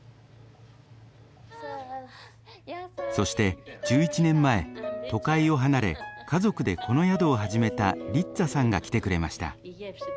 そして１１年前都会を離れ家族でこの宿を始めたリッツァさんが来てくれました。